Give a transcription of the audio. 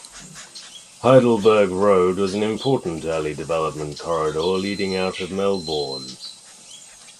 Heidelberg Road was an important early development corridor leading out of Melbourne.